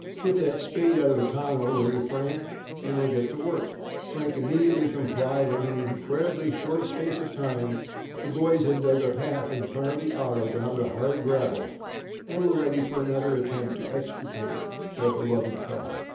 Get that spade out of the tonneau, will you Frank, and we'll get to work." Frank immediately complied, and in an incredibly short space of time the boys had a path dug in front of the auto down to hard gravel, and were ready for another attempt to extricate their beloved car.